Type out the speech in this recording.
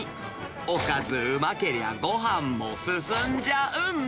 おかずうまけりゃごはんも進んじ